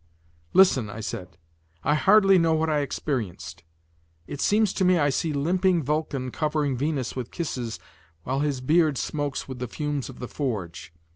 "Listen," I said; "I hardly know what I experienced. It seems to me I see limping Vulcan covering Venus with kisses while his beard smokes with the fumes of the forge.